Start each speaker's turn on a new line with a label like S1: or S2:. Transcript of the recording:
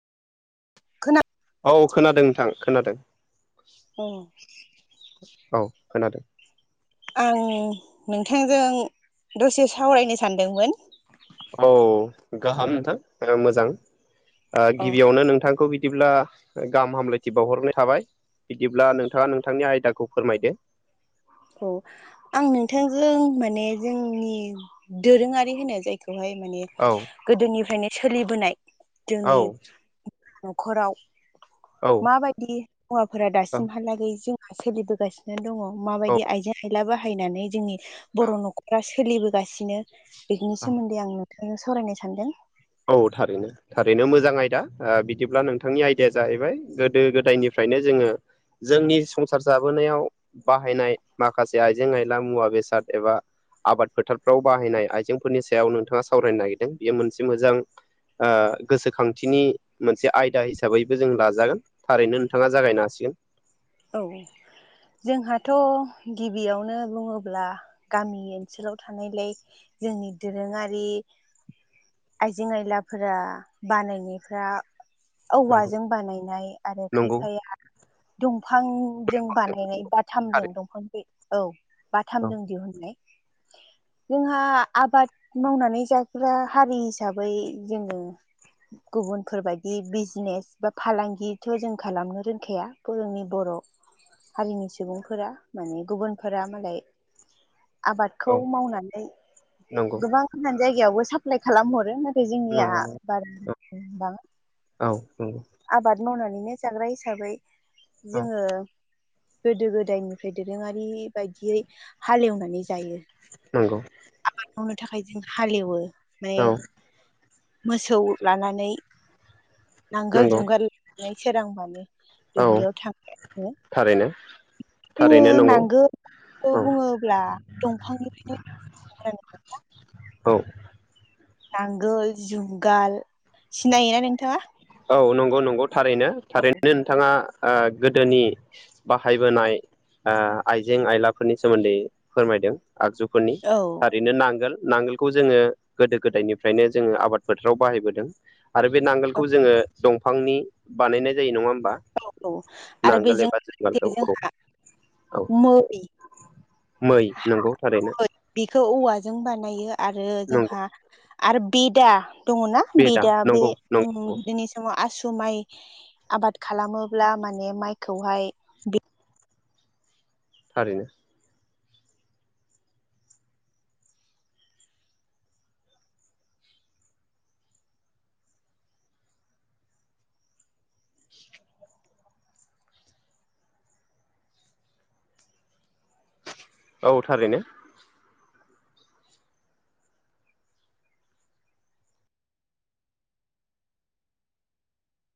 S1: खोना
S2: औ खोनादों नोंथां खोनादों
S1: अ
S2: औ खोनादों
S1: आं नोंथांजों दसे सावरायनो सानदोंमोन
S2: औ गाहाम नोंथां ओ मोजां ओ
S1: अ
S2: गिबियावनो नोंथांखौ बिदिब्ला गाहाम हामलायथि बावहरनाय थाबाय बिदिब्ला नोंथाङा नोंथांनि आयदाखौ फोरमायदो
S1: औ आं नोंथांजों माने जोंनि दोरोङारि होनो जायखौहाय माने
S2: औ
S1: गोदोनिफ्रायनो सोलिबोनाय जोंनि नखराव
S2: औ
S1: माबायदि हौवाफोरा दासिमहालागै जोंहा सोलिबोगासिनो दङ मा
S2: औ
S1: ने आइजें आयला बाहायनानै जोंनि बर' नखरा सोलिबोगासिनो बेनि
S2: औ
S1: सोमोन्दै आं नोंथांजों सावरायनो सानदों
S2: औ थारैनो थारैनो मोजां आयदा ओ बिदिब्ला नोंथांनि आयदाया जाहैबाय गोदो गोदायनिफ्रायनो जोङो जोंनि संसार जाबोनायाव बाहायनाय माखासे आइजें आयला मुवा बेसाद एबा आबाद फोथारफ्राव बाहायनाय आइजेंफोरनि सायाव नोंथाङा सावरायनो नायगेरदों बेयो मोनसे मोजां ओ गोसोखांथिनि मोनसे आयदा हिसाबैबो जों लाजागोन थारैनो नोंथाङा जागायनो हासिगोन।
S1: औ जोंहाथ' गिबियावनो बुङोब्ला गामि ओनसोलाव थानायलाय जोंनि दोरोङारि आइजें आयलाफोरा बानायनायफ्रा औवाजों बानायनाय आरो
S2: नंगौ
S1: खायफाया बिफांजों बानायनाय बाथामजों
S2: थारै
S1: दंफांखि [unintelligible] औ
S2: औ
S1: बाथामजों दिहुननाय
S2: [inaudible]
S1: जोंहा आबाद मावनानै जाग्रा हारि हिसाबै जोङो गुबुनफोरबायदि बिजनेस बा फालांगिथ' जों खालामनो रोंखाया बर'नि बर' हारिनि सुबुंफोरा माने गुबुनफोरा मालाय आबादखौ मावनानै
S2: नंगौ
S1: गोबां गोजान जायगायावबो साप्लाइ खालामहरो बे जोंनिया
S2: नंगौ
S1: [unintelligible]
S2: औ औ
S1: आबाद मावनानैनो जाग्रा हिसाबै
S2: औ
S1: जोङो गोदो गोदायनिफ्राय दोरोङारि बायदियै हालेवनानै जायो
S2: नंगौ
S1: आबाद मावनो थाखाय जों हालेवो माने
S2: औ
S1: मोसौ लानानै नांगोल
S2: नंगौ
S1: जुंगाल लानानै सोरांबानो
S2: औ
S1: दुब्लियाव थाङो
S2: थारैनो
S1: जोङो
S2: थारैनो नंगौ
S1: नांगोलखौ
S2: औ
S1: बुङोब्ला दंफांनिफ्रायनो
S2: औ
S1: नांगोल जुंगाल सिनायोना नोंथाङा?
S2: औ नंगौ नंगौ थारैनो थारैनो नोंथाङा ओ गोदोनि बाहायबोनाय ओ आइजें आइलाफोरनि सोमोन्दै फोरमायदों आगजुफोरनि
S1: औ
S2: थारैनो नांगोल नांगोल खौ जोङो गोदो गोदायनिफ्रायनो जोङो आबाद फोथाराव बाहायबोदों आरो बे
S1: औ
S2: नांगोलखौ जोङो दंफांनि बानायनाय जायो नङा होमबा
S1: औ आरो
S2: नांगोल
S1: बेजों
S2: एबा
S1: लोगोसे
S2: जोंगालखौ
S1: जोंहा
S2: औ औ
S1: मै
S2: मै नंगौ थारैनो
S1: बेखौ औवाजों बानायो आरो
S2: नंगौ
S1: जोंहा आरो बेदा दङना बेदा बे
S2: नंगौ
S1: उम
S2: नंगौ
S1: गोदोनि स माव आसु माइ आबाद खालामोब्ला माने माइखौहाय
S2: थारैनो औ थारैनो